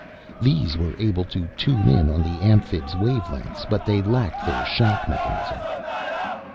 These were able to tune in on the Amphibs' wavelengths, but they lacked their shock mechanism.